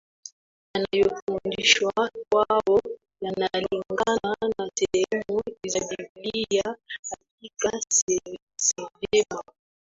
yanayofundishwa kwao yanalingana na sehemu za Biblia Hakika si vema